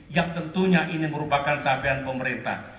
yang tentunya ini merupakan capaian pemerintah